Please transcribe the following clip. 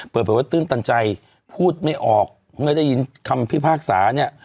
เปิดประวัติตื่นตันใจพูดไม่ออกเพราะงั้นได้ยินคำพิพากษาเนี่ย